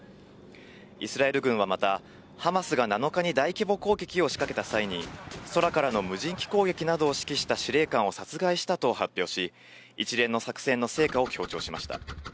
イスラエル軍はまた、ハマスが７日に大規模攻撃を仕掛けた際に、空からの無人機攻撃などを指揮した司令官を殺害したと発表し、一連の作戦の成果を強調しました。